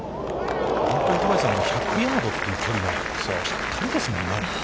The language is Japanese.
本当に戸張さん、１００ヤードという距離がぴったりですもんね。